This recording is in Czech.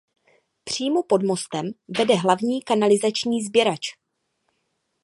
Přímo pod mostem vede hlavní kanalizační sběrač.